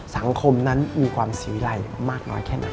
สังคมนั้นมีความศรีไรมากน้อยแค่ไหน